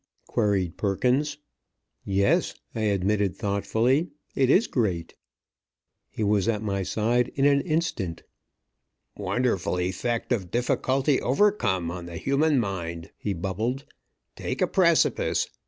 queried Perkins. "Yes," I admitted thoughtfully, "it is great." He was at my side in an instant. "Wonderful effect of difficulty overcome on the human mind!" he bubbled. "Take a precipice.